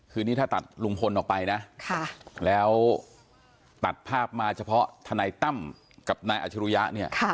คือนี่ถ้าตัดลุงพลออกไปนะแล้วตัดภาพมาเฉพาะทนายตั้มกับนายอัชรุยะเนี่ย